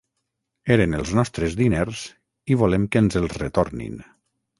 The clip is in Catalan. Eren els nostres diners i volem que ens els retornin.